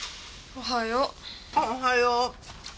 おはよう。